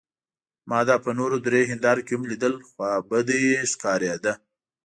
ما دا په نورو درې هندارو کې هم لیدل، خوابدې ښکارېده.